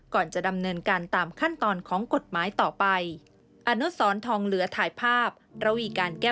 ก่อนจะดำเนินการตามขั้นตอนของกฎหมายต่อไป